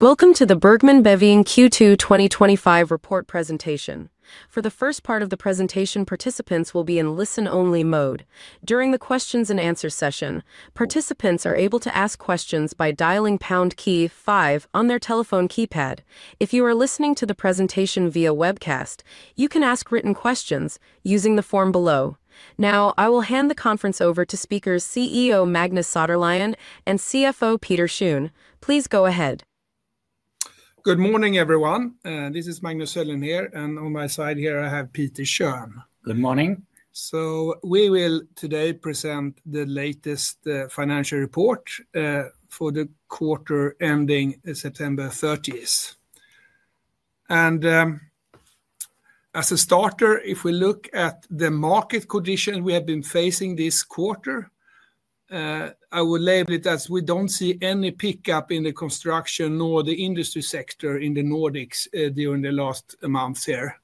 Welcome to the Bergman & Beving Q2 2025 report presentation. For the first part of the presentation, participants will be in listen-only mode. During the questions and answers session, participants are able to ask questions by dialing pound key five on their telephone keypad. If you are listening to the presentation via webcast, you can ask written questions using the form below. Now, I will hand the conference over to speakers CEO Magnus Söderlind and CFO Peter Schön. Please go ahead. Good morning, everyone. This is Magnus Söderlind here, and on my side here, I have Peter Schön. Good morning. We will today present the latest financial report for the quarter ending September 30th. As a starter, if we look at the market conditions we have been facing this quarter, I will label it as we don't see any pickup in the construction nor the industry sector in the Nordics during the last month here.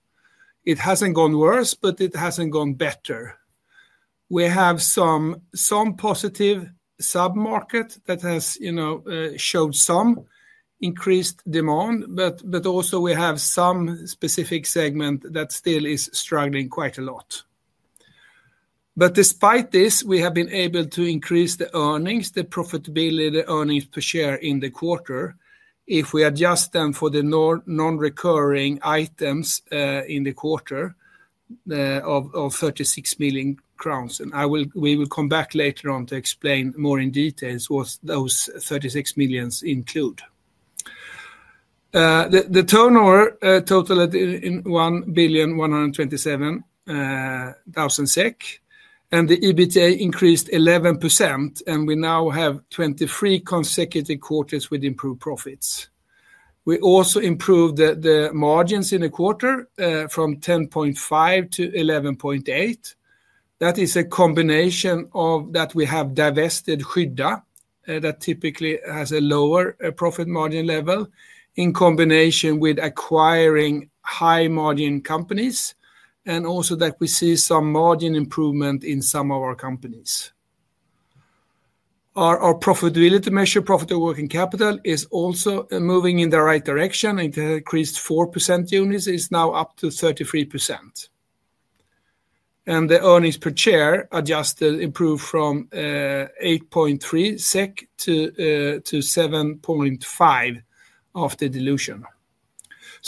It hasn't gone worse, but it hasn't gone better. We have some positive submarket that has showed some increased demand, but also we have some specific segment that still is struggling quite a lot. Despite this, we have been able to increase the earnings, the profitability, the earnings per share in the quarter. If we adjust them for the non-recurring items in the quarter of 36 million crowns, and we will come back later on to explain more in detail what those 36 million include. The turnover totaled at 1,127 million SEK, and the EBITDA increased 11%, and we now have 23 consecutive quarters with improved profits. We also improved the margins in the quarter from 10.5% to 11.8%. That is a combination of that we have divested Skydda, that typically has a lower profit margin level, in combination with acquiring high margin companies, and also that we see some margin improvement in some of our companies. Our profitability measure, profit of working capital, is also moving in the right direction. It increased 4% units, it's now up to 33%. The earnings per share adjusted improved from 8.3 SEK to 7.5 after dilution.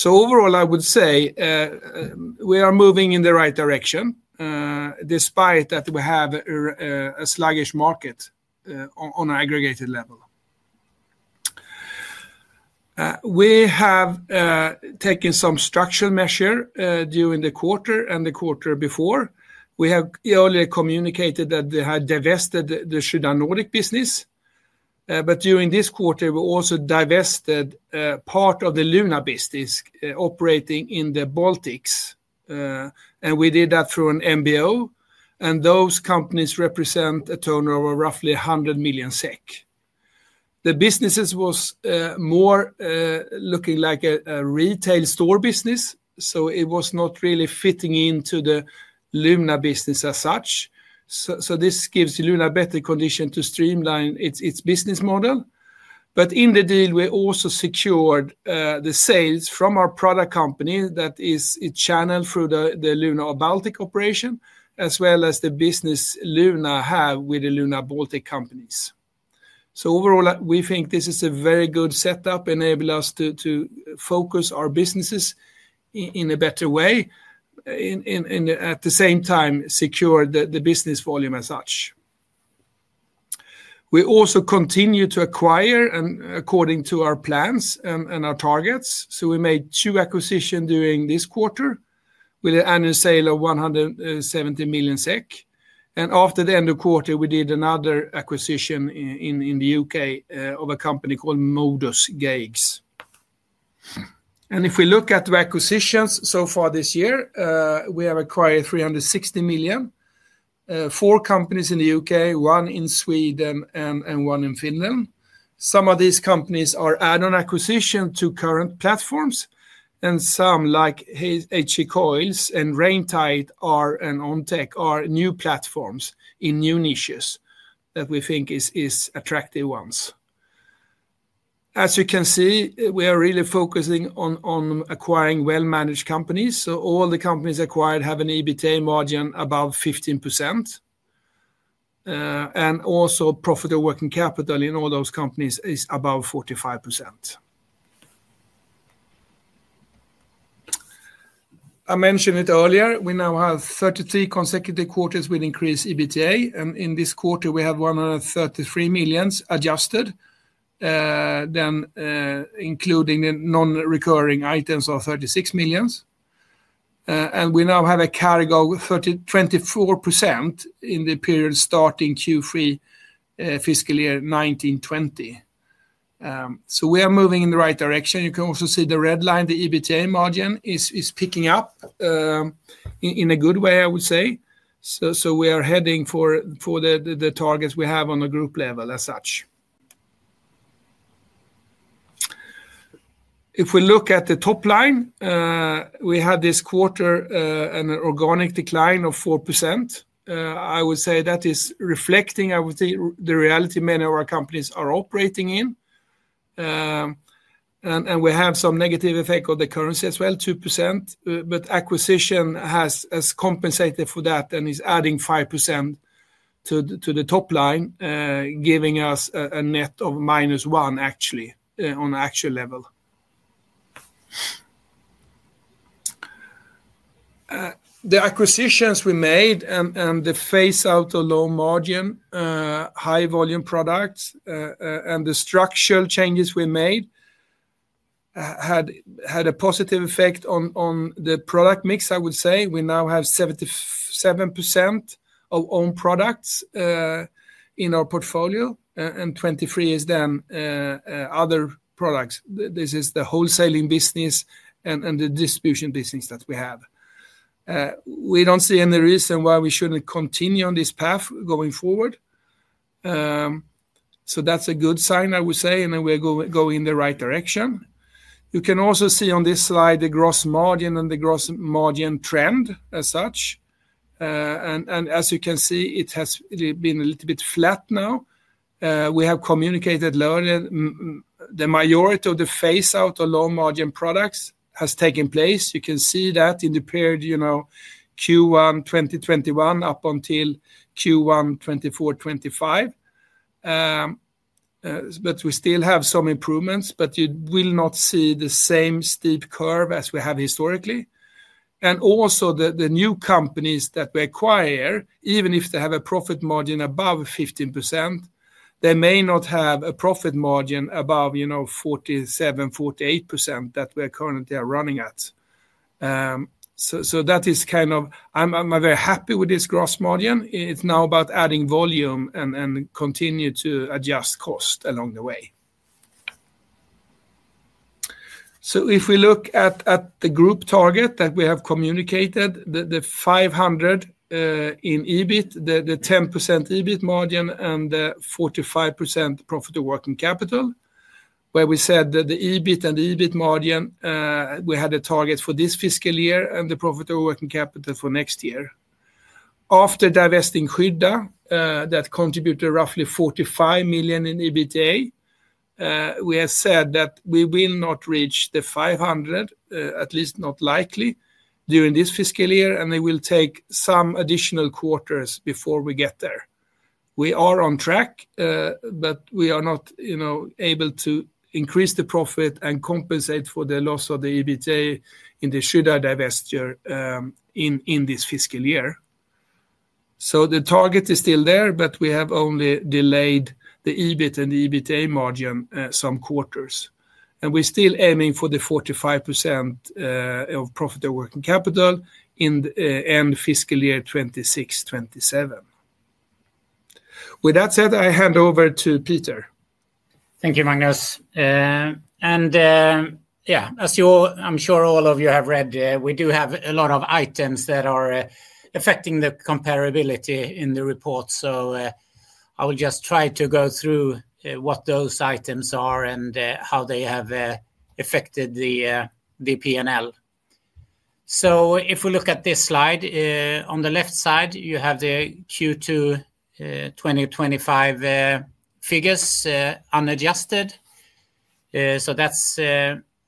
Overall, I would say we are moving in the right direction despite that we have a sluggish market on an aggregated level. We have taken some structural measures during the quarter and the quarter before. We have earlier communicated that we had divested the Skydda Nordic business, but during this quarter, we also divested part of the Luna business operating in the Baltics, and we did that through an MBO, and those companies represent a turnover of roughly 100 million SEK. The business was more looking like a retail store business, so it was not really fitting into the Luna business as such. This gives Luna better conditions to streamline its business model. In the deal, we also secured the sales from our product company that is channeled through the Luna or Baltic operation, as well as the business Luna has with the Luna Baltic companies. Overall, we think this is a very good setup, enabling us to focus our businesses in a better way, and at the same time, secure the business volume as such. We also continue to acquire according to our plans and our targets. We made two acquisitions during this quarter with an annual sale of 170 million SEK, and after the end of the quarter, we did another acquisition in the U.K. of a company called Modus Gauges. If we look at the acquisitions so far this year, we have acquired 360 million, four companies in the UK, one in Sweden, and one in Finland. Some of these companies are add-on acquisitions to current platforms, and some like H C Coils, Raintite, and Ontec are new platforms in new niches that we think are attractive ones. As you can see, we are really focusing on acquiring well-managed companies, so all the companies acquired have an EBITDA margin above 15%, and also profit of working capital in all those companies is above 45%. I mentioned it earlier, we now have 33 consecutive quarters with increased EBITDA, and in this quarter, we have 133 million adjusted, then including the non-recurring items of 36 million, and we now have a carry-over of 24% in the period starting Q3, fiscal year 2019-2020. We are moving in the right direction. You can also see the red line, the EBITDA margin is picking up in a good way, I would say. We are heading for the targets we have on a group level as such. If we look at the top line, we had this quarter an organic decline of 4%. I would say that is reflecting the reality many of our companies are operating in, and we have some negative effect on the currency as well, 2%, but acquisition has compensated for that and is adding 5% to the top line, giving us a net of -1%, actually, on an actual level. The acquisitions we made and the phase-out of low margin, high volume products, and the structural changes we made had a positive effect on the product mix, I would say. We now have 77% of owned products in our portfolio, and 23% is then other products. This is the wholesaling business and the distribution business that we have. We don't see any reason why we shouldn't continue on this path going forward. That's a good sign, I would say, and we're going in the right direction. You can also see on this slide the gross margin and the gross margin trend as such, and as you can see, it has been a little bit flat now. We have communicated that the majority of the phase-out of low margin products has taken place. You can see that in the period, you know, Q1 2021 up until Q1 2024-2025, we still have some improvements, but you will not see the same steep curve as we have historically. Also, the new companies that we acquire, even if they have a profit margin above 15%, they may not have a profit margin above, you know, 47%, 48% that we're currently running at. That is kind of, I'm very happy with this gross margin. It's now about adding volume and continuing to adjust cost along the way. If we look at the group target that we have communicated, the 500 in EBIT, the 10% EBIT margin, and the 45% profit of working capital, where we said that the EBIT and the EBIT margin, we had a target for this fiscal year and the profit of working capital for next year. After divesting Skydda, that contributed roughly 45 million in EBITDA, we have said that we will not reach the 500, at least not likely, during this fiscal year, and it will take some additional quarters before we get there. We are on track, but we are not, you know, able to increase the profit and compensate for the loss of the EBITDA in the Skydda divestiture in this fiscal year. The target is still there, but we have only delayed the EBIT and the EBITDA margin some quarters, and we're still aiming for the 45% of profit of working capital in the end fiscal year 2026-2027. With that said, I hand over to Peter. Thank you, Magnus. As you all, I'm sure all of you have read, we do have a lot of items that are affecting the comparability in the report. I will just try to go through what those items are and how they have affected the P&L. If we look at this slide, on the left side, you have the Q2 2025 figures unadjusted. That's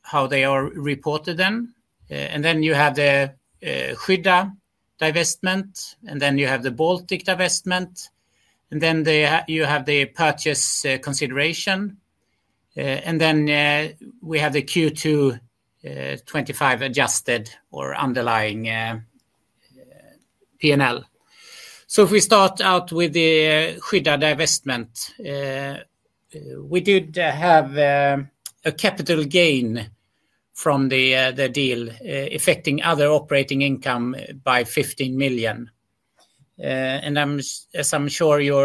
how they are reported then. You have the Skydda divestment, and then you have the Baltic divestment, and then you have the purchase consideration, and then we have the Q2 2025 adjusted or underlying P&L. If we start out with the Skydda divestment, we did have a capital gain from the deal affecting other operating income by 15 million. As I'm sure you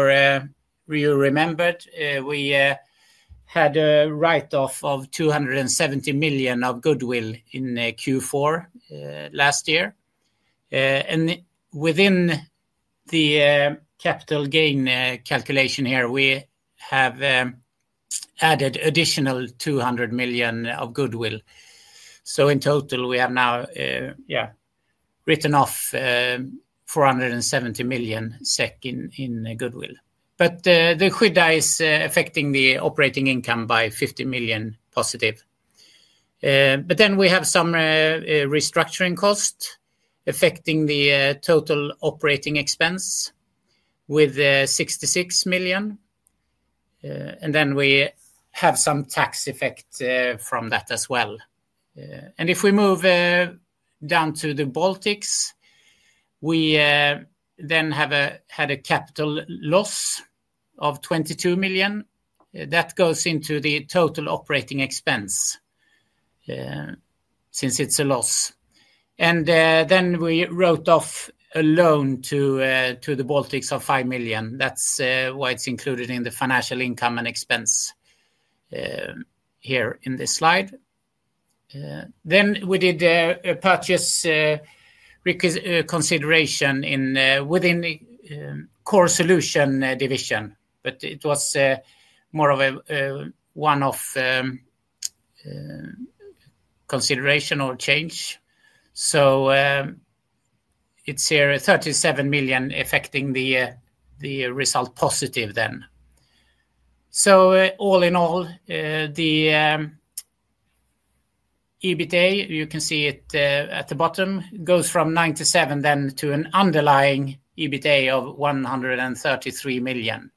remembered, we had a write-off of 270 million of goodwill in Q4 last year. Within the capital gain calculation here, we have added additional 200 million of goodwill. In total, we have now written off 470 million SEK in goodwill. The Skydda is affecting the operating income by 50 million positive. We have some restructuring costs affecting the total operating expense with 66 million, and we have some tax effect from that as well. If we move down to the Baltics, we then had a capital loss of 22 million. That goes into the total operating expense since it's a loss. We wrote off a loan to the Baltics of 5 million. That's why it's included in the financial income and expense here in this slide. We did a purchase consideration within the Core Solutions division, but it was more of a one-off consideration or change. It's 37 million affecting the result positive then. All in all, the EBITDA, you can see it at the bottom, goes from 97 million to an underlying EBITDA of 133 million,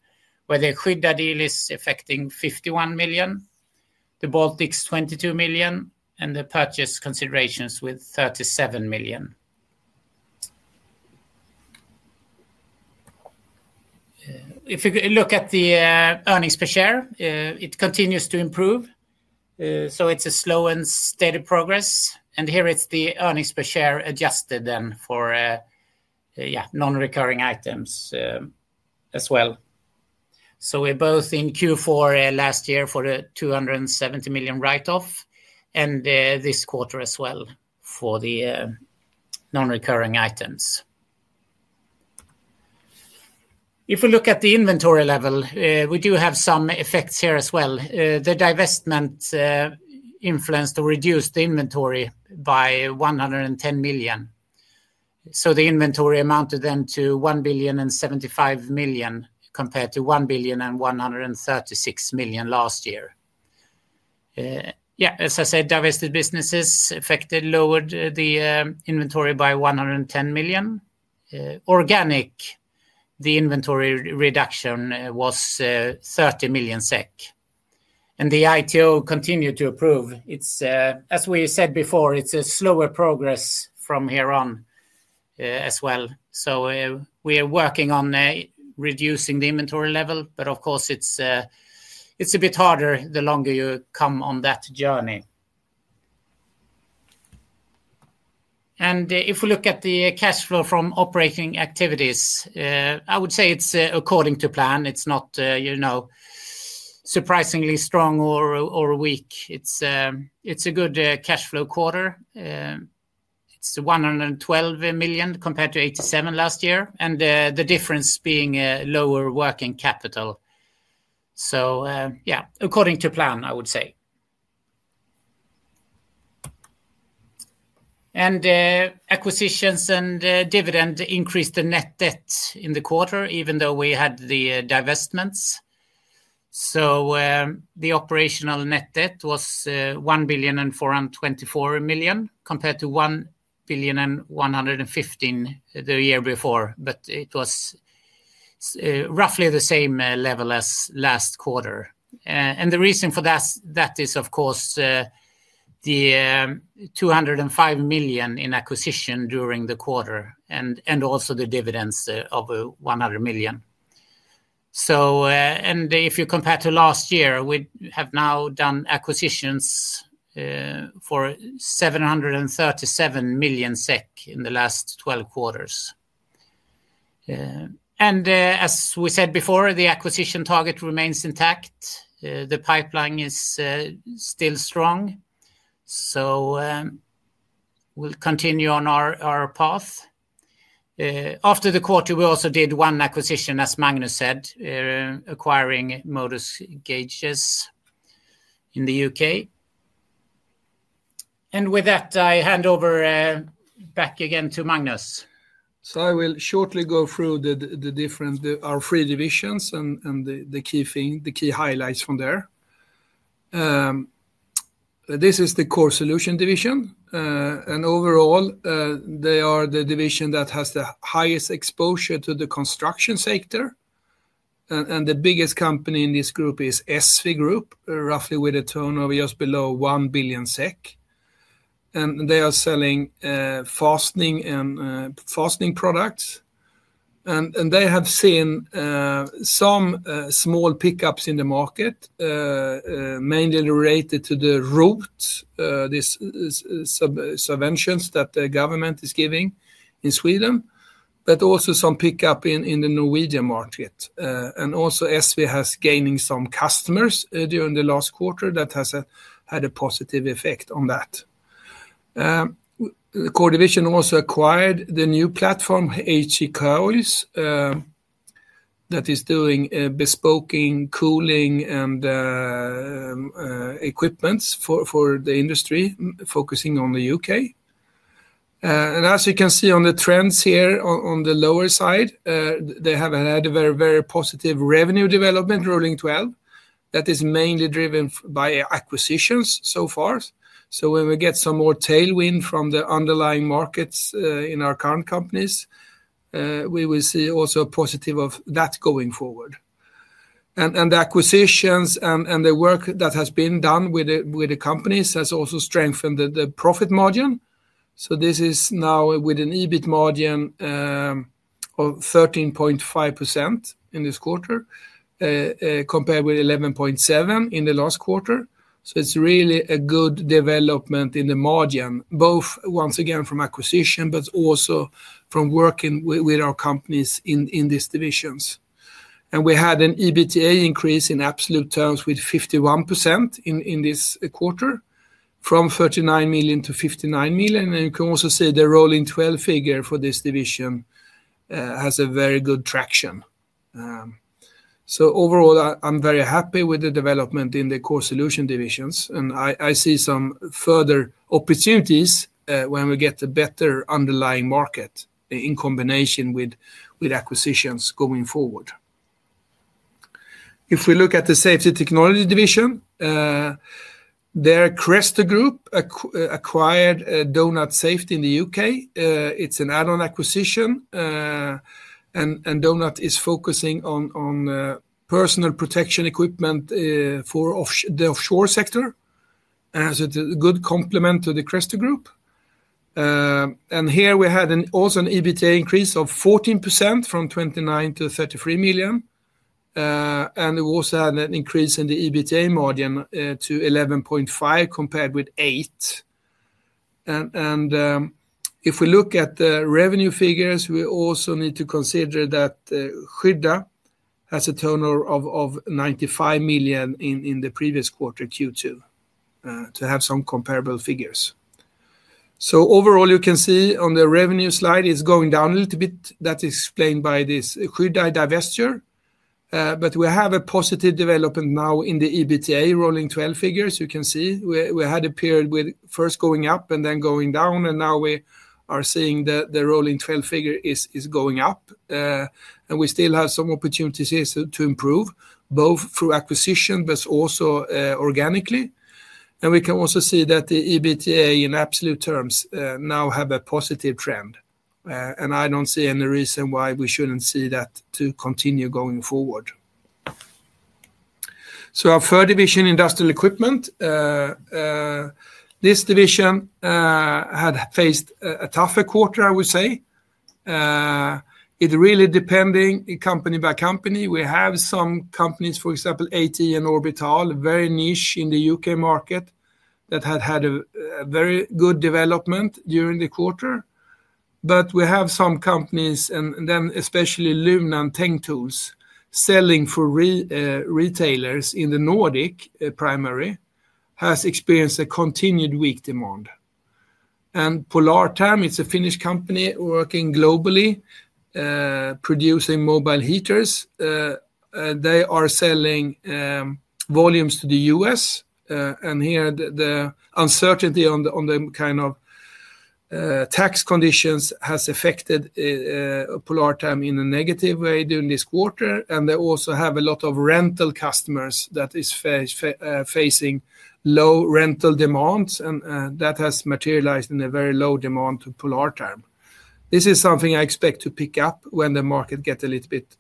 where the Skydda deal is affecting 51 million, the Baltics 22 million, and the purchase considerations with 37 million. If you look at the earnings per share, it continues to improve. It's a slow and steady progress. Here it's the earnings per share adjusted for non-recurring items as well. We're both in Q4 last year for the 270 million write-off and this quarter as well for the non-recurring items. If we look at the inventory level, we do have some effects here as well. The divestment influenced or reduced the inventory by 110 million. The inventory amounted then to 1,075 million compared to 1,136 million last year. As I said, divested businesses affected lowered the inventory by 110 million. Organic, the inventory reduction was 30 million SEK. The ITO continued to improve. As we said before, it's a slower progress from here on as well. We are working on reducing the inventory level, but of course, it's a bit harder the longer you come on that journey. If we look at the cash flow from operating activities, I would say it's according to plan. It's not, you know, surprisingly strong or weak. It's a good cash flow quarter. It's 112 million compared to 87 million last year, and the difference being lower working capital. Yeah, according to plan, I would say. Acquisitions and dividend increased the net debt in the quarter, even though we had the divestments. The operational net debt was 1,424 million compared to 1,115 million the year before, but it was roughly the same level as last quarter. The reason for that is, of course, the 205 million in acquisition during the quarter and also the dividends of 100 million. If you compare to last year, we have now done acquisitions for 737 million SEK in the last 12 quarters. As we said before, the acquisition target remains intact. The pipeline is still strong. We'll continue on our path. After the quarter, we also did one acquisition, as Magnus said, acquiring Modus Gauges in the UK. With that, I hand over back again to Magnus. I will shortly go through our three divisions and the key highlights from there. This is the Core Solutions division. Overall, they are the division that has the highest exposure to the construction sector. The biggest company in this group is SV Group, roughly with a turnover just below 1 billion SEK. They are selling fastening and fastening products. They have seen some small pickups in the market, mainly related to the roots, these subventions that the government is giving in Sweden, but also some pickup in the Norwegian market. SV has gained some customers during the last quarter that has had a positive effect on that. The Core division also acquired the new platform, H C Coils, that is doing bespoken cooling and equipment for the industry, focusing on the UK. As you can see on the trends here on the lower side, they have had a very, very positive revenue development, rolling 12. That is mainly driven by acquisitions so far. When we get some more tailwind from the underlying markets in our current companies, we will see also a positive of that going forward. The acquisitions and the work that has been done with the companies has also strengthened the profit margin. This is now with an EBIT margin of 13.5% in this quarter, compared with 11.7% in the last quarter. It is really a good development in the margin, both once again from acquisition, but also from working with our companies in these divisions. We had an EBITDA increase in absolute terms with 51% in this quarter, from 39 million to 59 million. You can also see the rolling 12 figure for this division has a very good traction. Overall, I'm very happy with the development in the Core Solutions divisions. I see some further opportunities when we get a better underlying market in combination with acquisitions going forward. If we look at the Safety Technology division, their Cresto Group acquired Donut Safety in the UK. It's an add-on acquisition. Donut is focusing on personal protection equipment for the offshore sector. It is a good complement to the Cresto Group. Here we had also an EBITDA increase of 14% from 29 million to 33 million. We also had an increase in the EBITDA margin to 11.5% compared with 8%. If we look at the revenue figures, we also need to consider that Skydda has a turnover of 95 million in the previous quarter Q2 to have some comparable figures. Overall, you can see on the revenue slide, it's going down a little bit. That is explained by this Skydda divestiture. We have a positive development now in the EBITDA rolling 12 figures. You can see we had a period with first going up and then going down, and now we are seeing that the rolling 12 figure is going up. We still have some opportunities here to improve, both through acquisition but also organically. We can also see that the EBITDA in absolute terms now has a positive trend. I don't see any reason why we shouldn't see that continue going forward. Our third division, Industrial Equipment, had faced a tougher quarter, I would say. It really depends company by company. We have some companies, for example, A.T.E. and Orbital, very niche in the U.K. market, that had had a very good development during the quarter. We have some companies, and then especially Luna and Teng Tools, selling for retailers in the Nordics primarily, that have experienced a continued weak demand. Polartherm, it's a Finnish company working globally, producing mobile heaters. They are selling volumes to the U.S., and here, the uncertainty on the kind of tax conditions has affected Polartherm in a negative way during this quarter. They also have a lot of rental customers that are facing low rental demands, and that has materialized in a very low demand to Polartherm. This is something I expect to pick up when the market gets a little bit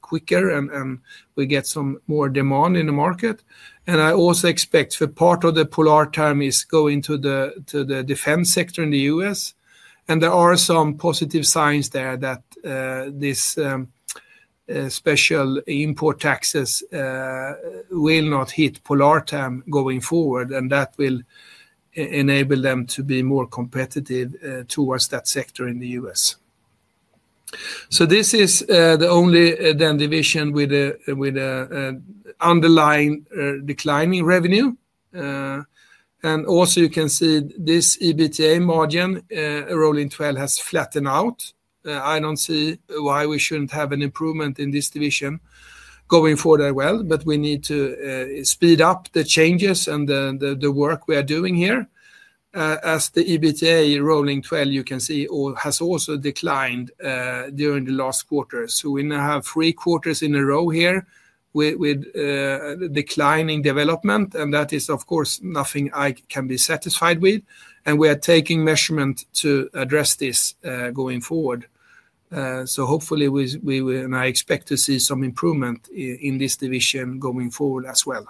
quicker and we get some more demand in the market. I also expect for part of the Polartherm is going to the defense sector in the U.S., and there are some positive signs there that this special import taxes will not hit Polartherm going forward, and that will enable them to be more competitive towards that sector in the U.S. This is the only division with an underlying declining revenue. You can see this EBITDA margin rolling 12 has flattened out. I don't see why we shouldn't have an improvement in this division going forward as well, but we need to speed up the changes and the work we are doing here. The EBITDA rolling 12, you can see, has also declined during the last quarter. We now have three quarters in a row here with declining development, and that is, of course, nothing I can be satisfied with. We are taking measurement to address this going forward. Hopefully, we will, and I expect to see some improvement in this division going forward as well.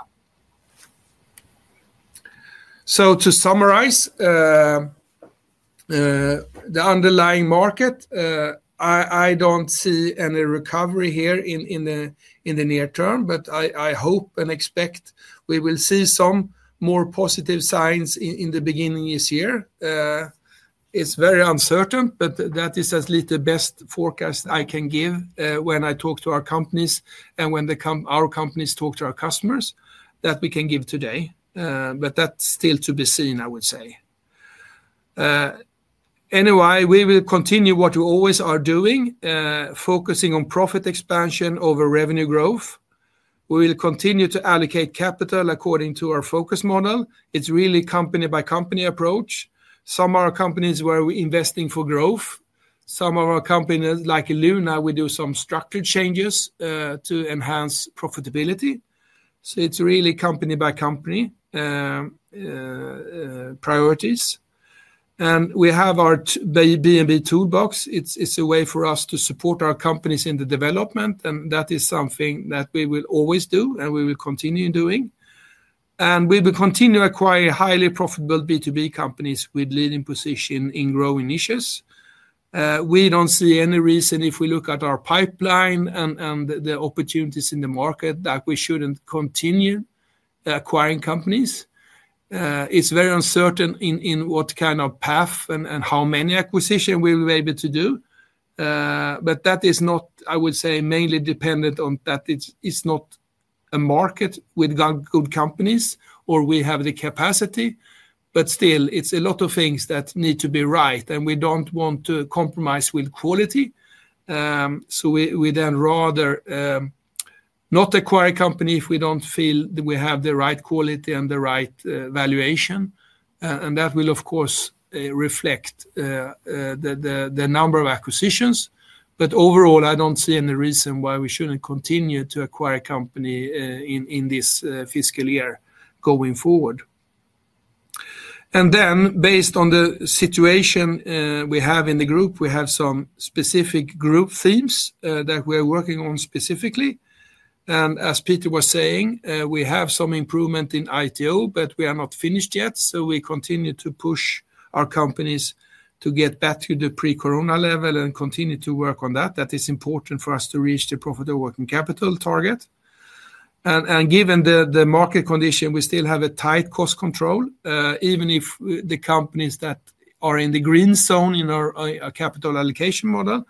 To summarize, the underlying market, I don't see any recovery here in the near term, but I hope and expect we will see some more positive signs in the beginning of this year. It's very uncertain, but that is at least the best forecast I can give when I talk to our companies and when our companies talk to our customers that we can give today. That's still to be seen, I would say. Anyway, we will continue what we always are doing, focusing on profit expansion over revenue growth. We will continue to allocate capital according to our focus model. It's really a company-by-company approach. Some of our companies where we're investing for growth. Some of our companies, like Luna, we do some structural changes to enhance profitability. It's really company-by-company priorities. We have our B&B toolbox. It's a way for us to support our companies in the development, and that is something that we will always do and we will continue in doing. We will continue to acquire highly profitable B2B companies with leading positions in growing niches. We don't see any reason, if we look at our pipeline and the opportunities in the market, that we shouldn't continue acquiring companies. It's very uncertain in what kind of path and how many acquisitions we will be able to do. That is not, I would say, mainly dependent on that it's not a market with good companies or we have the capacity. Still, it's a lot of things that need to be right, and we don't want to compromise with quality. We then rather not acquire a company if we don't feel that we have the right quality and the right valuation. That will, of course, reflect the number of acquisitions. Overall, I don't see any reason why we shouldn't continue to acquire a company in this fiscal year going forward. Based on the situation we have in the group, we have some specific group themes that we are working on specifically. As Peter was saying, we have some improvement in ITO, but we are not finished yet. We continue to push our companies to get back to the pre-corona level and continue to work on that. That is important for us to reach the profit of working capital target. Given the market condition, we still have a tight cost control. Even if the companies that are in the green zone in our capital allocation model,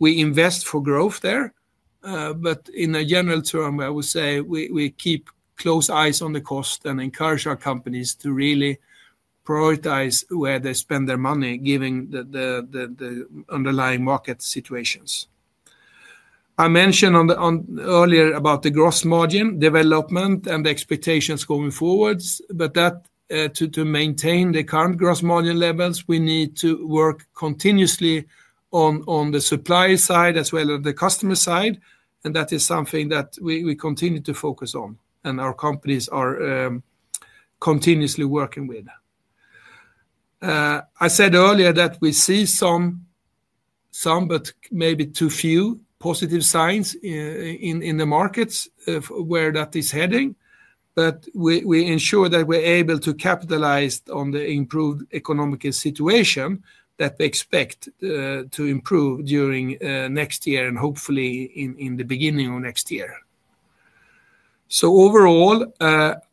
we invest for growth there. In a general term, I would say we keep close eyes on the cost and encourage our companies to really prioritize where they spend their money, given the underlying market situations. I mentioned earlier about the gross margin development and the expectations going forward. To maintain the current gross margin levels, we need to work continuously on the supply side as well as the customer side. That is something that we continue to focus on and our companies are continuously working with. I said earlier that we see some, but maybe too few, positive signs in the markets where that is heading. We ensure that we're able to capitalize on the improved economic situation that we expect to improve during next year and hopefully in the beginning of next year. Overall,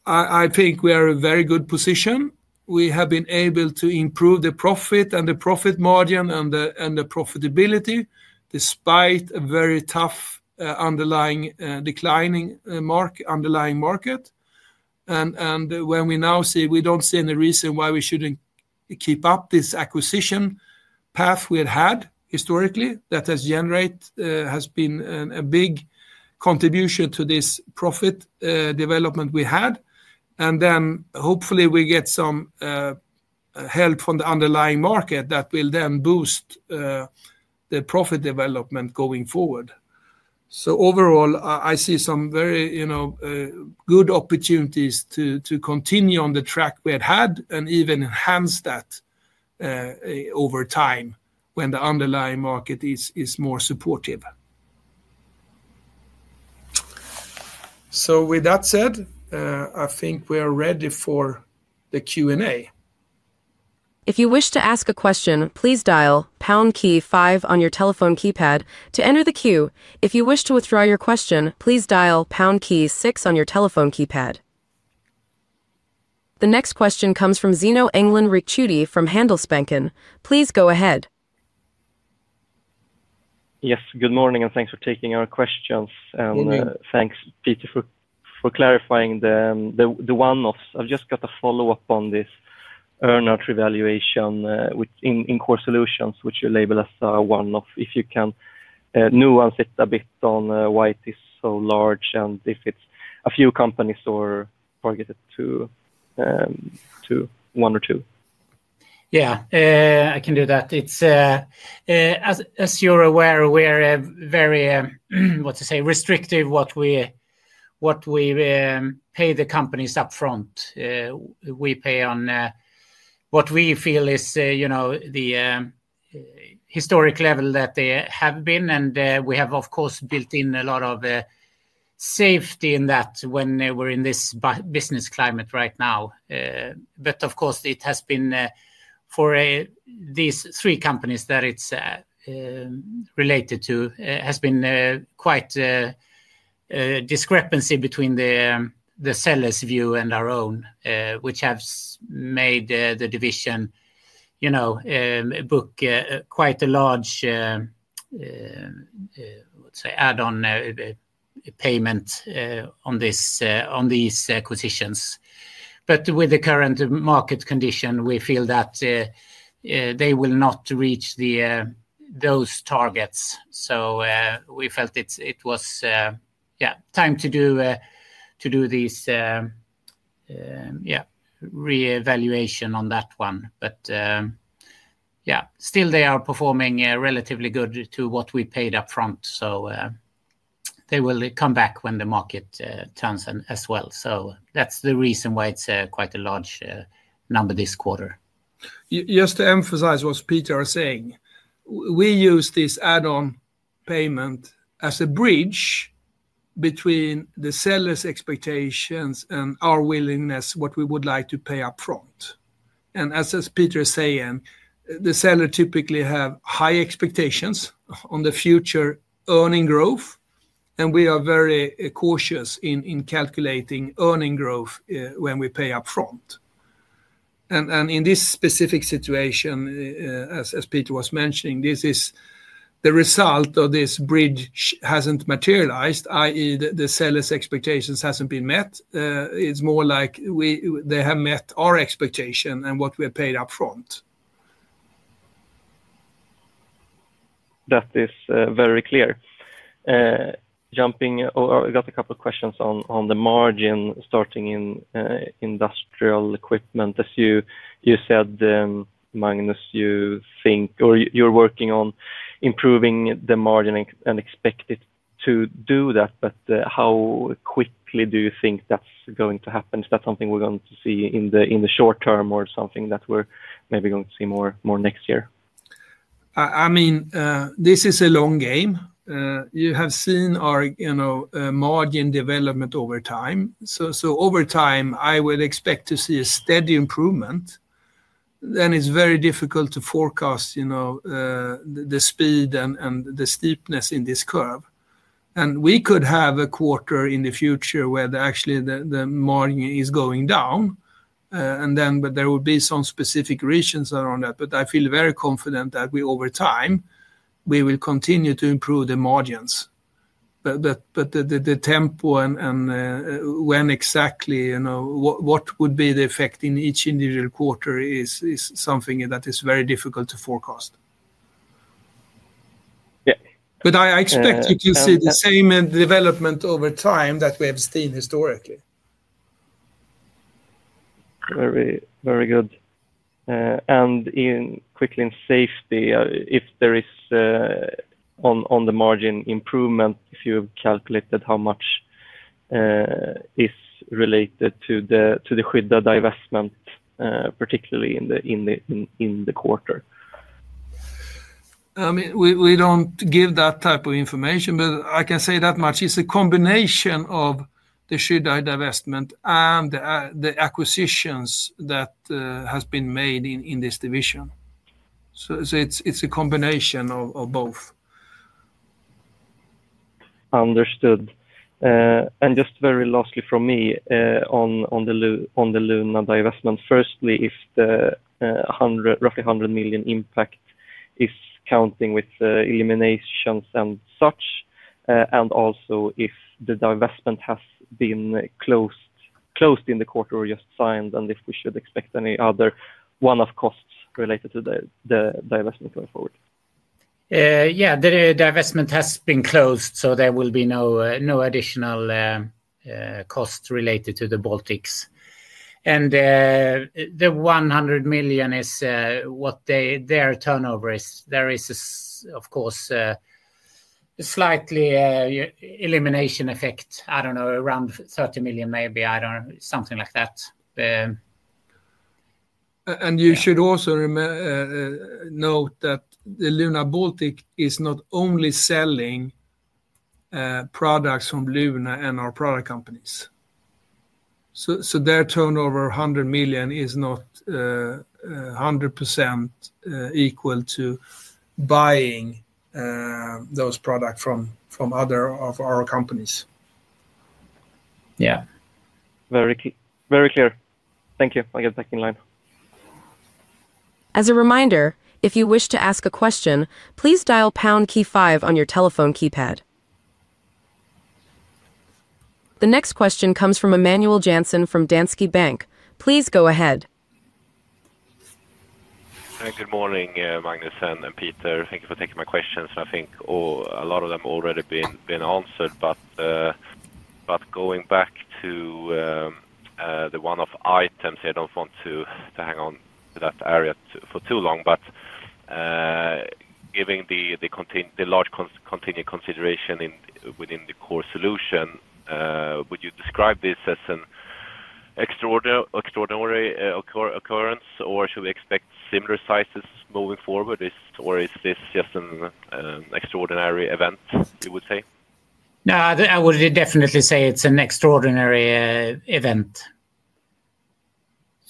I think we are in a very good position. We have been able to improve the profit and the profit margin and the profitability despite a very tough underlying declining market. When we now see, we don't see any reason why we shouldn't keep up this acquisition path we had had historically. That has generated, has been a big contribution to this profit development we had. Hopefully, we get some help from the underlying market that will then boost the profit development going forward. Overall, I see some very, you know, good opportunities to continue on the track we had had and even enhance that over time when the underlying market is more supportive. With that said, I think we are ready for the Q&A. If you wish to ask a question, please dial # key 5 on your telephone keypad to enter the queue. If you wish to withdraw your question, please dial # key 6 on your telephone keypad. The next question comes from Zino Engdalen Ricciuti from Handelsbanken. Please go ahead. Yes, good morning and thanks for taking our questions. Thanks, Peter, for clarifying the one-offs. I've just got a follow-up on this earnout revaluation in Core Solutions, which you label as a one-off. If you can nuance it a bit on why it is so large and if it's a few companies or targeted to one or two. Yeah. I can do that. As you're aware, we're very, what to say, restrictive what we pay the companies upfront. We pay on what we feel is, you know, the historic level that they have been. We have, of course, built in a lot of safety in that when we're in this business climate right now. It has been for these three companies that it's related to, has been quite a discrepancy between the seller's view and our own, which has made the division, you know, book quite a large, let's say, add-on payment on these acquisitions. With the current market condition, we feel that they will not reach those targets. We felt it was, yeah, time to do this, yeah, revaluation on that one. Still, they are performing relatively good to what we paid upfront. They will come back when the market turns as well. That's the reason why it's quite a large number this quarter. Just to emphasize what Peter is saying, we use this add-on payment as a bridge between the seller's expectations and our willingness, what we would like to pay upfront. As Peter is saying, the seller typically has high expectations on the future earning growth. We are very cautious in calculating earning growth when we pay upfront. In this specific situation, as Peter was mentioning, this is the result of this bridge hasn't materialized, i.e., the seller's expectations haven't been met. It's more like they have met our expectation and what we have paid upfront. That is very clear. Jumping, I got a couple of questions on the margin starting in Industrial Equipment. As you said, Magnus, you think or you're working on improving the margin and expect it to do that. How quickly do you think that's going to happen? Is that something we're going to see in the short term or something that we're maybe going to see more next year? This is a long game. You have seen our margin development over time. Over time, I would expect to see a steady improvement. It is very difficult to forecast the speed and the steepness in this curve. We could have a quarter in the future where actually the margin is going down, and there will be some specific reasons around that. I feel very confident that over time, we will continue to improve the margins. The tempo and when exactly, what would be the effect in each individual quarter, is something that is very difficult to forecast. I expect you can see the same development over time that we have seen historically. Very, very good. Quickly, in safety, if there is on the margin improvement, if you calculated how much is related to the Skydda divestment, particularly in the quarter. I mean, we don't give that type of information, but I can say that much. It's a combination of the Skydda divestment and the acquisitions that have been made in this division. It's a combination of both. Understood. Just very lastly from me, on the Luna divestment, firstly, if the roughly 100 million impact is counting with eliminations and such, and also if the divestment has been closed in the quarter or just signed, and if we should expect any other one-off costs related to the divestment going forward. Yeah. The divestment has been closed, so there will be no additional costs related to the Baltics. The 100 million is what their turnover is. There is, of course, a slight elimination effect, I don't know, around 30 million maybe, I don't know, something like that. You should also note that Luna Baltic is not only selling products from Luna and our product companies. Their turnover of 100 million is not 100% equal to buying those products from other of our companies. Yeah, very, very clear. Thank you. I'll get back in line. As a reminder, if you wish to ask a question, please dial #KEY-5 on your telephone keypad. The next question comes from Emanuel Jansson from Danske Bank. Please go ahead. Good morning, Magnus and Peter. Thank you for taking my questions. I think a lot of them already have been answered. Going back to the one-off items, I don't want to hang on to that area for too long. Given the large continued consideration within the Core Solutions, would you describe this as an extraordinary occurrence, or should we expect similar sizes moving forward? Is this just an extraordinary event, you would say? Yeah. I would definitely say it's an extraordinary event.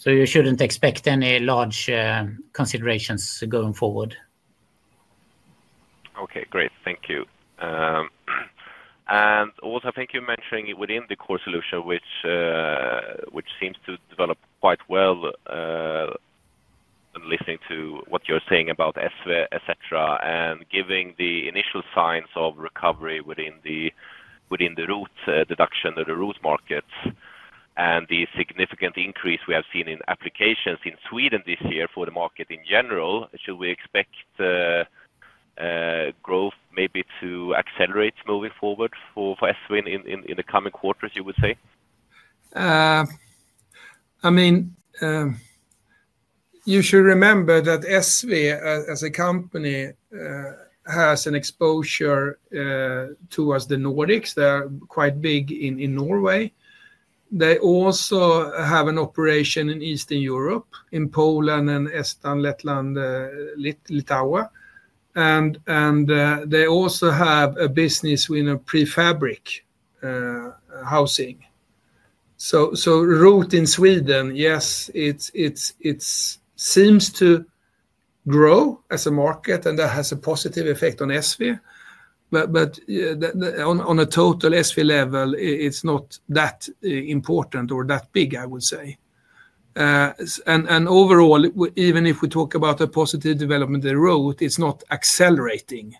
You shouldn't expect any large considerations going forward. Okay, great. Thank you. I think you mentioned within the Core Solutions, which seems to develop quite well, and listening to what you're saying about SV, etc., and giving the initial signs of recovery within the root deduction or the root markets. The significant increase we have seen in applications in Sweden this year for the market in general, should we expect growth maybe to accelerate moving forward for SV in the coming quarters, you would say? I mean, you should remember that SV, as a company, has an exposure towards the Nordics. They're quite big in Norway. They also have an operation in Eastern Europe, in Poland and Estonia, Latvia, and Lithuania. They also have a business with prefabric housing. Root in Sweden, yes, it seems to grow as a market, and that has a positive effect on SV. On a total SV level, it's not that important or that big, I would say. Overall, even if we talk about a positive development in root, it's not accelerating.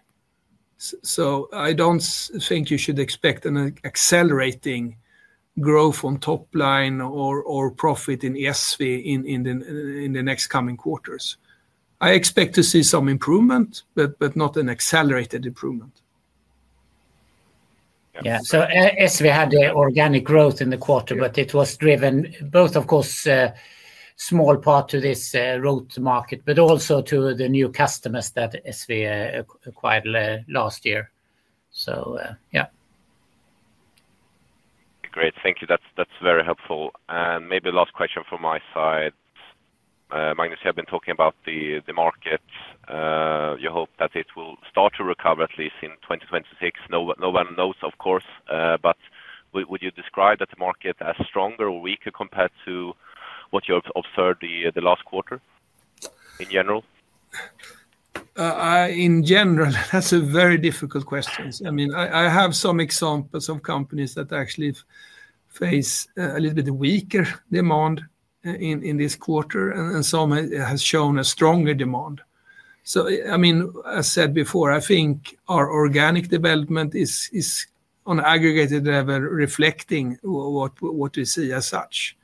I don't think you should expect an accelerating growth on top line or profit in SV in the next coming quarters. I expect to see some improvement, but not an accelerated improvement. Yeah. SV had organic growth in the quarter, but it was driven both, of course, a small part to this root market, but also to the new customers that SV acquired last year. Great. Thank you. That's very helpful. Maybe the last question from my side. Magnus, you have been talking about the market. You hope that it will start to recover at least in 2026. No one knows, of course. Would you describe the market as stronger or weaker compared to what you observed the last quarter in general? In general, that's a very difficult question. I mean, I have some examples of companies that actually face a little bit weaker demand in this quarter, and some have shown a stronger demand. As I said before, I think our organic development is on an aggregated level reflecting what we see as such.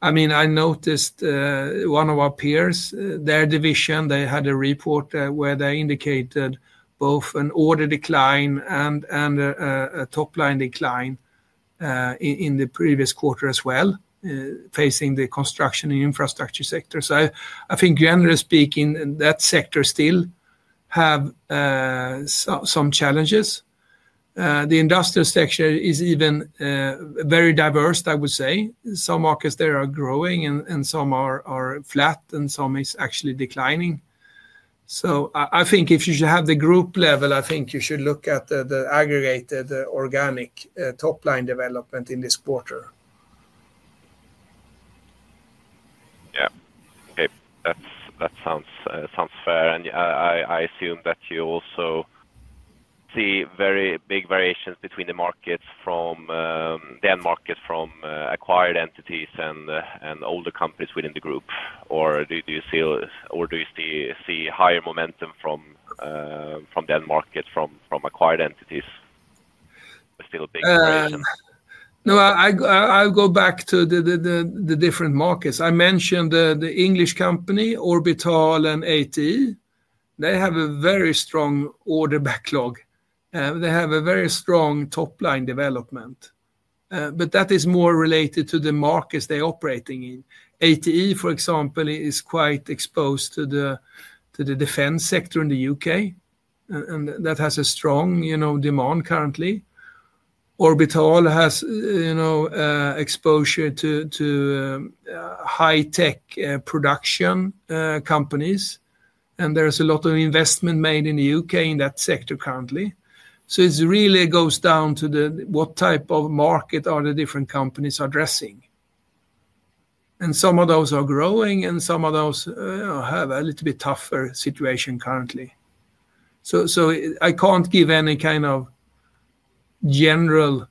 I noticed one of our peers, their division, they had a report where they indicated both an order decline and a top line decline in the previous quarter as well, facing the construction and infrastructure sector. I think generally speaking, that sector still has some challenges. The industrial sector is even very diverse, I would say. Some markets there are growing and some are flat and some are actually declining. If you should have the group level, I think you should look at the aggregated organic top line development in this quarter. Okay. That sounds fair. I assume that you also see very big variations between the markets from the end markets from acquired entities and older companies within the group. Do you see higher momentum from the end market from acquired entities? There's still a big variation. No, I'll go back to the different markets. I mentioned the English company, Orbital and A.T.E. They have a very strong order backlog and a very strong top line development. That is more related to the markets they are operating in. A.T.E., for example, is quite exposed to the defense sector in the U.K., and that has a strong demand currently. Orbital has exposure to high-tech production companies, and there's a lot of investment made in the U.K. in that sector currently. It really goes down to what type of market the different companies are addressing. Some of those are growing and some of those have a little bit tougher situation currently. I can't give any kind of general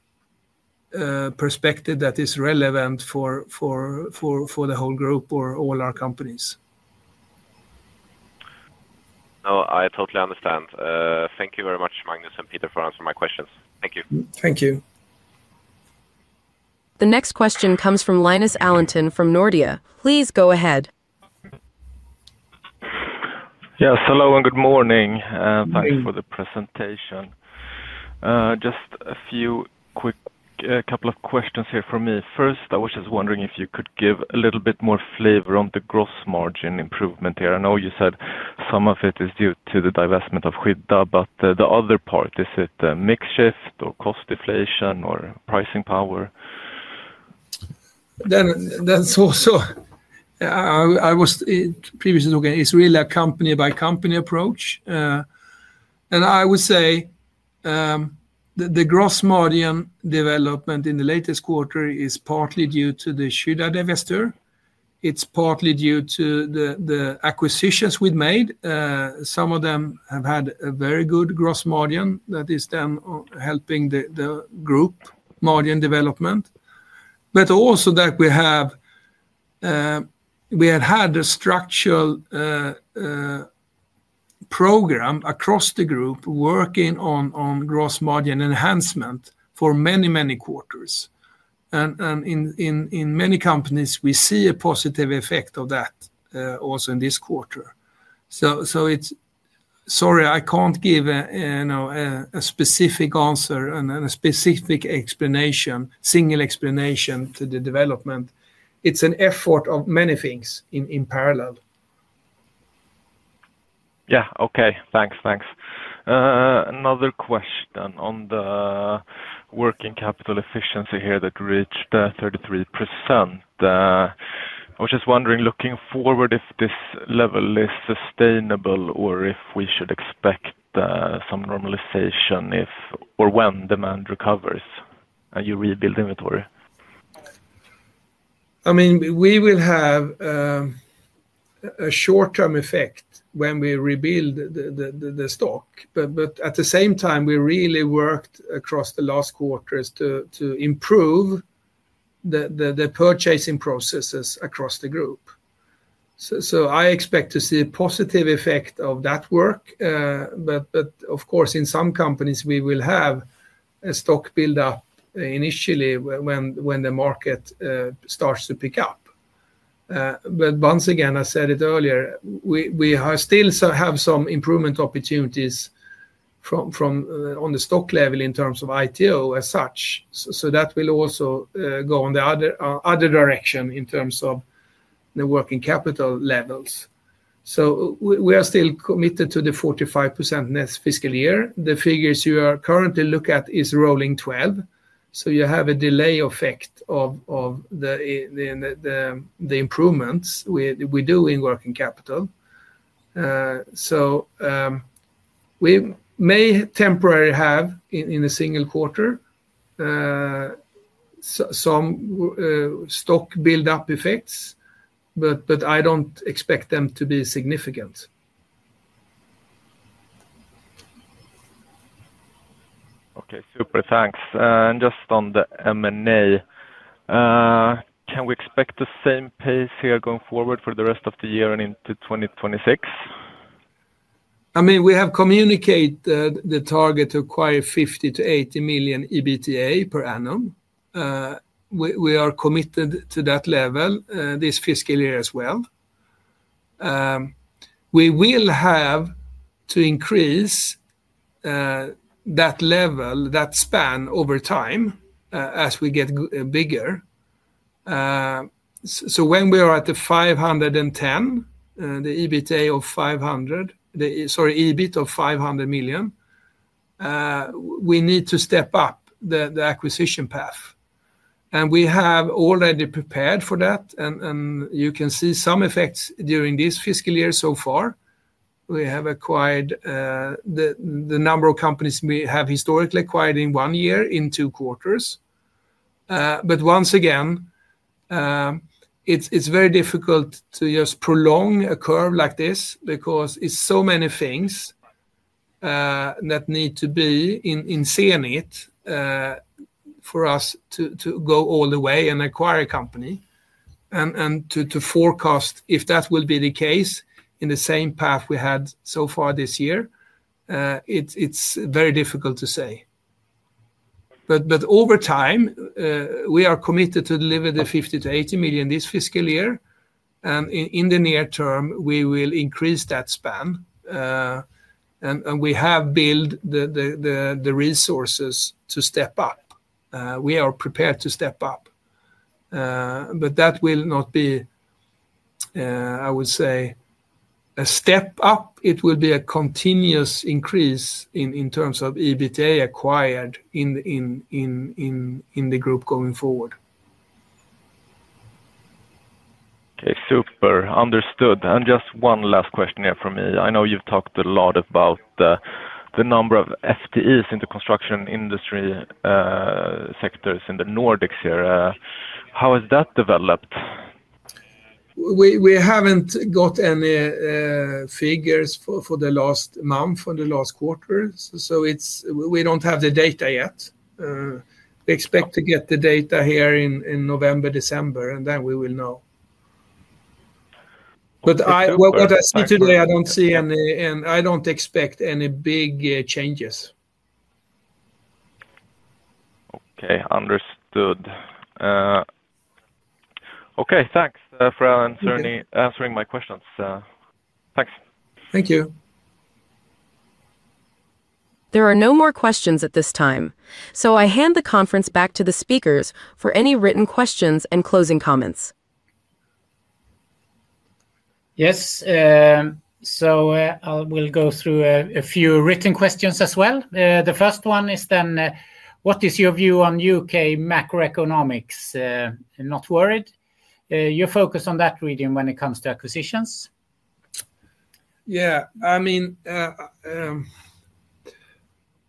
perspective that is relevant for the whole group or all our companies. No, I totally understand. Thank you very much, Magnus and Peter, for answering my questions. Thank you. Thank you. The next question comes from Linus Alentun from Nordea. Please go ahead. Yes, hello and good morning. Thanks for the presentation. Just a few quick couple of questions here for me. First, I was just wondering if you could give a little bit more flavor on the gross margin improvement here. I know you said some of it is due to the divestment of Skydda, but the other part, is it a mix shift or cost deflation or pricing power? I was previously talking, it's really a company-by-company approach. I would say the gross margin development in the latest quarter is partly due to the Skydda divestiture. It's partly due to the acquisitions we've made. Some of them have had a very good gross margin that is then helping the group margin development. Also, we have had a structural program across the group working on gross margin enhancement for many, many quarters. In many companies, we see a positive effect of that also in this quarter. Sorry, I can't give a specific answer and a specific explanation, single explanation to the development. It's an effort of many things in parallel. Okay. Thanks, thanks. Another question on the working capital efficiency here that reached 33%. I was just wondering, looking forward, if this level is sustainable or if we should expect some normalization if or when demand recovers and you rebuild inventory. I mean, we will have a short-term effect when we rebuild the stock. At the same time, we really worked across the last quarters to improve the purchasing processes across the group. I expect to see a positive effect of that work. Of course, in some companies, we will have a stock buildup initially when the market starts to pick up. Once again, I said it earlier, we still have some improvement opportunities on the stock level in terms of ITO as such. That will also go in the other direction in terms of the working capital levels. We are still committed to the 45% next fiscal year. The figures you are currently looking at is rolling 12. You have a delay effect of the improvements we do in working capital. We may temporarily have in a single quarter some stock buildup effects, but I don't expect them to be significant. Okay, super, thanks. Just on the M&A, can we expect the same pace here going forward for the rest of the year and into 2026? We have communicated the target to acquire 50 million-80 million EBITDA per annum. We are committed to that level this fiscal year as well. We will have to increase that level, that span over time as we get bigger. When we are at the 500 million, sorry, EBIT of 500 million, we need to step up the acquisition path. We have already prepared for that. You can see some effects during this fiscal year so far. We have acquired the number of companies we have historically acquired in one year in two quarters. It is very difficult to just prolong a curve like this because there are so many things that need to be in zenith for us to go all the way and acquire a company. To forecast if that will be the case in the same path we had so far this year, it's very difficult to say. Over time, we are committed to deliver the 50 million-80 million this fiscal year. In the near term, we will increase that span. We have built the resources to step up. We are prepared to step up. That will not be, I would say, a step up. It will be a continuous increase in terms of EBITDA acquired in the group going forward. Okay, super. Understood. Just one last question here for me. I know you've talked a lot about the number of FTEs in the construction industry sectors in the Nordics here. How has that developed? We haven't got any figures for the last month or for the last quarter. We don't have the data yet. We expect to get the data here in November or December, and then we will know. What I see today, I don't see any, and I don't expect any big changes. Okay, understood. Okay, thanks for answering my questions. Thanks. Thank you. There are no more questions at this time. I hand the conference back to the speakers for any written questions and closing comments. Yes. I will go through a few written questions as well. The first one is, what is your view on U.K. macroeconomics? Not worried. Your focus on that region when it comes to acquisitions. Yeah, I mean,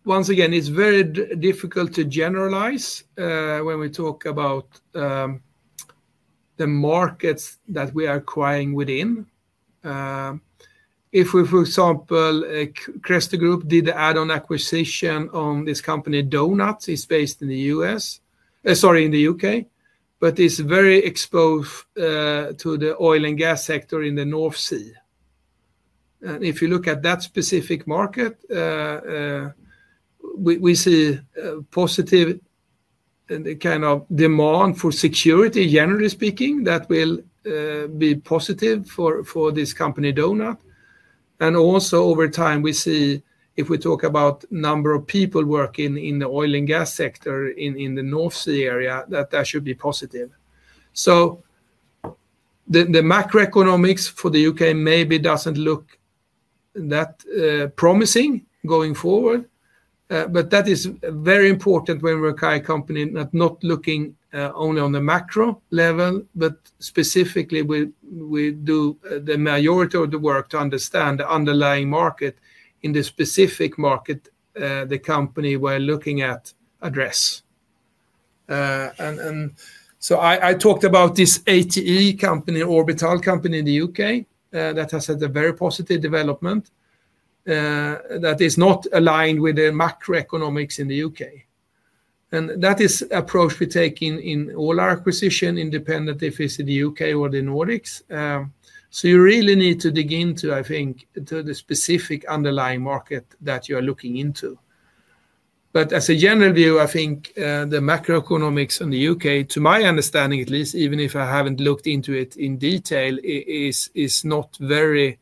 once again, it's very difficult to generalize when we talk about the markets that we are acquiring within. If we, for example, Cresto Group did the add-on acquisition on this company, Donut, it's based in the U.K., but it's very exposed to the oil and gas sector in the North Sea. If you look at that specific market, we see positive kind of demand for security, generally speaking, that will be positive for this company, Donut. Also, over time, we see, if we talk about the number of people working in the oil and gas sector in the North Sea area, that that should be positive. The macroeconomics for the U.K. maybe doesn't look that promising going forward. That is very important when we acquire a company, not looking only on the macro level, but specifically, we do the majority of the work to understand the underlying market in the specific market the company we're looking at address. I talked about this A.T.E. company, an Orbital company in the U.K. that has had a very positive development that is not aligned with the macroeconomics in the U.K. That is an approach we take in all our acquisitions, independent if it's in the U.K. or the Nordics. You really need to dig into, I think, the specific underlying market that you are looking into. As a general view, I think the macroeconomics in the U.K., to my understanding at least, even if I haven't looked into it in detail, is not very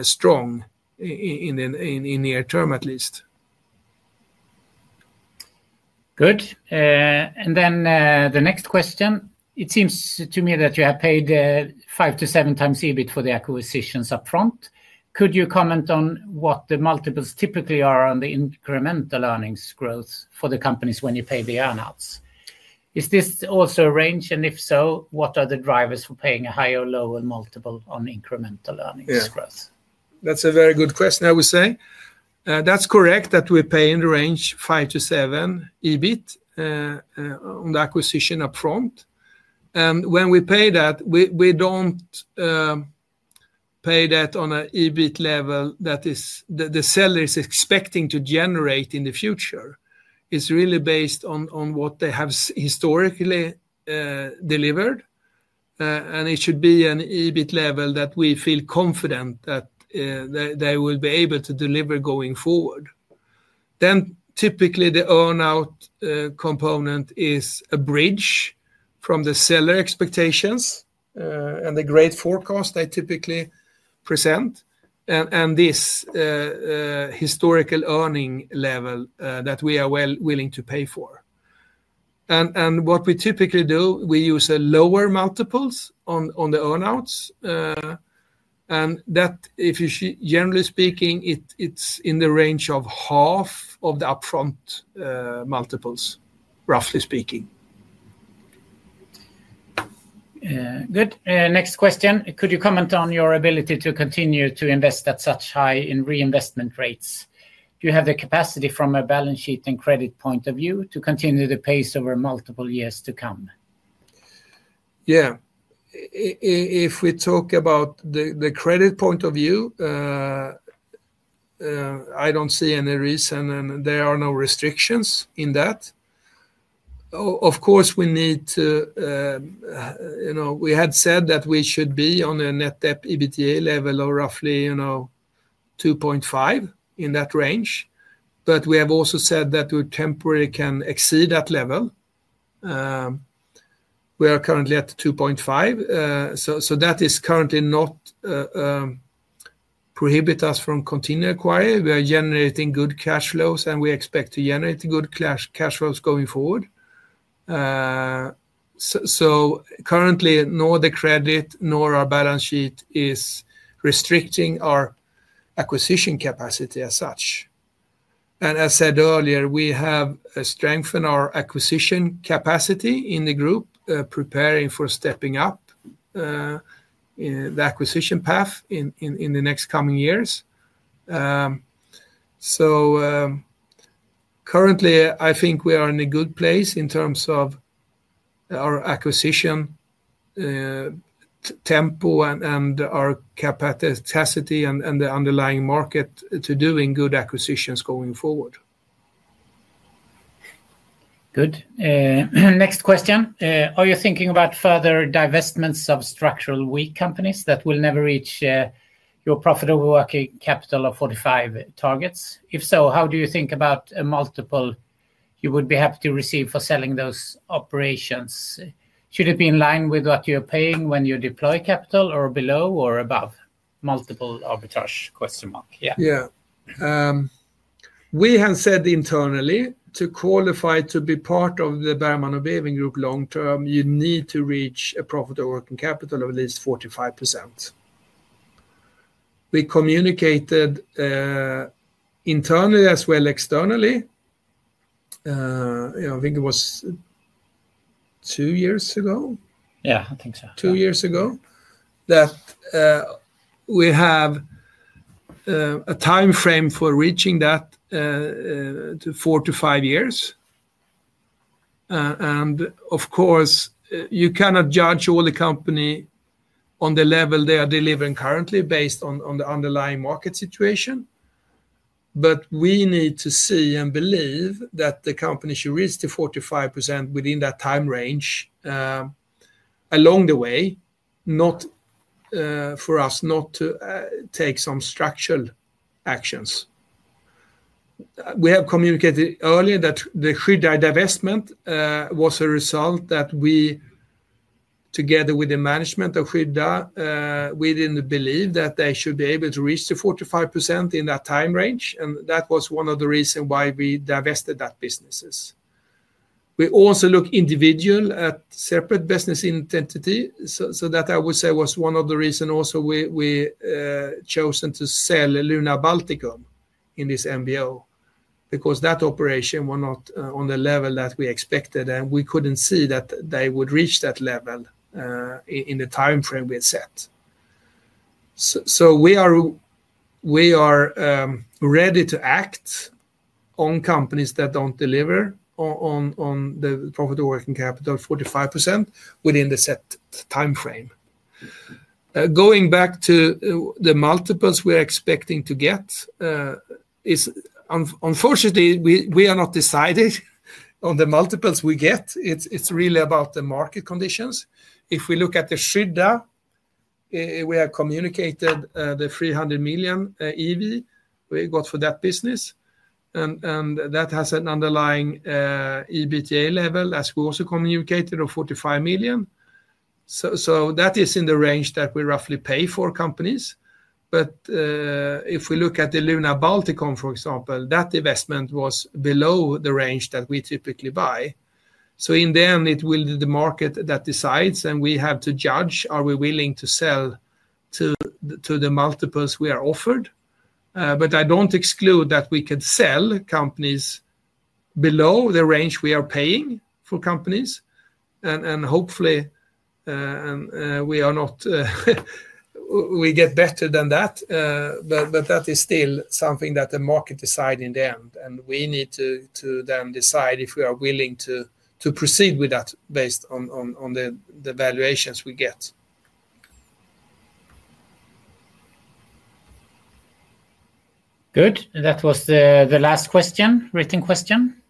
strong in the near term at least. Good. The next question. It seems to me that you have paid five to seven times EBIT for the acquisitions upfront. Could you comment on what the multiples typically are on the incremental earnings growth for the companies when you pay the earnouts? Is this also a range? If so, what are the drivers for paying a higher or lower multiple on incremental earnings growth? That's a very good question, I would say. That's correct that we pay in the range of five to seven EBIT on the acquisition upfront. When we pay that, we don't pay that on an EBIT level that the seller is expecting to generate in the future. It's really based on what they have historically delivered, and it should be an EBIT level that we feel confident that they will be able to deliver going forward. Typically, the earnout component is a bridge from the seller expectations and the great forecast they typically present and this historical earning level that we are willing to pay for. What we typically do is use lower multiples on the earnouts, and generally speaking, it's in the range of half of the upfront multiples, roughly speaking. Good. Next question. Could you comment on your ability to continue to invest at such high reinvestment rates? Do you have the capacity from a balance sheet and credit point of view to continue the pace over multiple years to come? Yeah. If we talk about the credit point of view, I don't see any reason and there are no restrictions in that. Of course, we need to, you know, we had said that we should be on a net debt/EBITDA level of roughly, you know, 2.5 in that range. We have also said that we temporarily can exceed that level. We are currently at 2.5. That is currently not prohibiting us from continuing to acquire. We are generating good cash flows and we expect to generate good cash flows going forward. Currently, nor the credit nor our balance sheet is restricting our acquisition capacity as such. As I said earlier, we have strengthened our acquisition capacity in the group, preparing for stepping up the acquisition path in the next coming years. Currently, I think we are in a good place in terms of our acquisition tempo and our capacity and the underlying market to doing good acquisitions going forward. Good. Next question. Are you thinking about further divestments of structurally weak companies that will never reach your profitable working capital of 45 targets? If so, how do you think about a multiple you would be happy to receive for selling those operations? Should it be in line with what you're paying when you deploy capital, or below or above? Multiple arbitrage? Yeah. We have said internally, to qualify to be part of the Bergman & Beving Group long term, you need to reach a profitable working capital of at least 45%. We communicated internally as well as externally. I think it was two years ago. Yeah. I think so. Two years ago that we have a timeframe for reaching that to four to five years. Of course, you cannot judge all the company on the level they are delivering currently based on the underlying market situation. We need to see and believe that the company should reach the 45% within that time range along the way, for us not to take some structural actions. We have communicated earlier that the Skydda divestment was a result that we, together with the management of Skydda, we didn't believe that they should be able to reach the 45% in that time range. That was one of the reasons why we divested that business. We also looked individual at separate business entities. That I would say was one of the reasons also we chose to sell Luna Baltic one in this MBO because that operation was not on the level that we expected. We couldn't see that they would reach that level in the timeframe we had set. We are ready to act on companies that don't deliver on the profitable working capital of 45% within the set timeframe. Going back to the multiples we are expecting to get, unfortunately, we are not decided on the multiples we get. It's really about the market conditions. If we look at the Skydda, we have communicated the 300 million EV we got for that business. That has an underlying EBITDA level, as we also communicated, of 45 million. That is in the range that we roughly pay for companies. If we look at the Luna Baltic, for example, that investment was below the range that we typically buy. In the end, it will be the market that decides. We have to judge, are we willing to sell to the multiples we are offered? I don't exclude that we could sell companies below the range we are paying for companies. Hopefully, we get better than that. That is still something that the market decides in the end. We need to then decide if we are willing to proceed with that based on the valuations we get. Good. That was the last question, written question.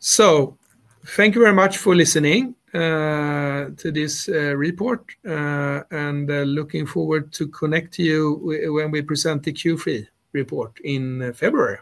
Thank you very much for listening to this report. I look forward to connecting with you when we present the Q3 report in February.